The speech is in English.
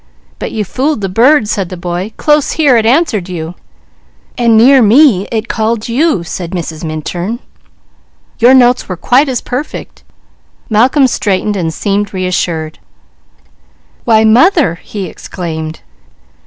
"But you fooled the bird," said the boy. "Close here it answered you." "And near me it called you," said Mrs. Minturn. "Your notes were quite as perfect." Malcolm straightened and seemed reassured. "Why mother!" he exclaimed.